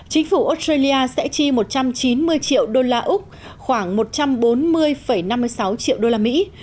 chính phủ australia sẽ chi một trăm chín mươi triệu đô la úc khoảng một trăm bốn mươi năm mươi sáu triệu đô la mỹ